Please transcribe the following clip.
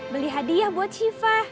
beli hadiah buat syufa